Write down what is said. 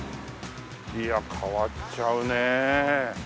いや変わっちゃうね。